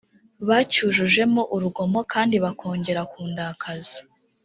bacyujujemo urugomo kandi bakongera kundakaza